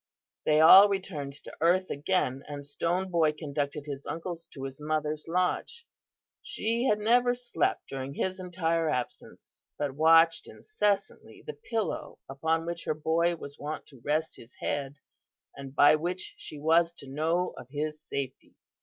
"They all returned to earth again and Stone Boy conducted his uncles to his mother's lodge. She had never slept during his entire absence, but watched incessantly the pillow upon which her boy was wont to rest his head, and by which she was to know of his safety.